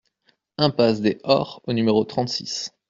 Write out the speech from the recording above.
Impasse des Hors au numéro trente-six